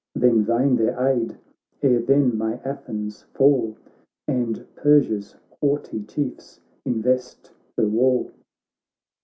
Then vain their aid, ere then may Athens fall And Persia's haughty Chiefs invest her wall."